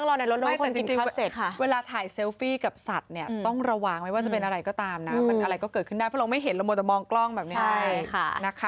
เรามองแต่มองกล้องแบบนี้ให้นะคะเดี๋ยวพูดอีกนะครับใช่ค่ะ